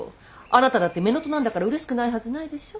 あなただって乳母なんだからうれしくないはずないでしょ。